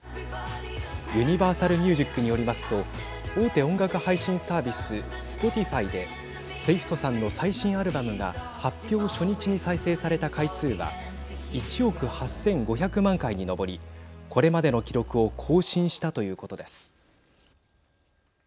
ユニバーサルミュージックによりますと大手音楽配信サービススポティファイでスウィフトさんの最新アルバムが発表初日に再生された回数は１億８５００万回に上りこれまでの記録を更新したということです。